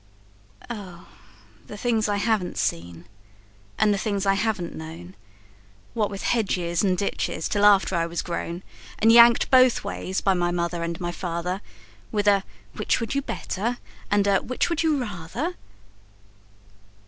Oh, the things I haven't seen and the things I haven't known, What with hedges and ditches till after I was grown, And yanked both ways by my mother and my father, With a 'Which would you better?" and a "Which would you rather?"